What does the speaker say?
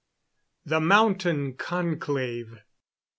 THE MOUNTAIN CONCLAVE.